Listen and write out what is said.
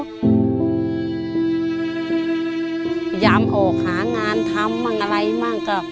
พยายามออกหางานทำบ้างอะไรมั่งก็